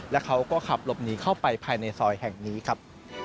และเขาก็ขับหลบหนีเข้าไปภายในซอยแห่งนี้ครับ